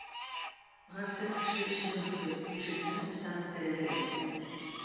Гарьсез кеше чебен кебек: ишектән кусаң, тәрәзәдән керә.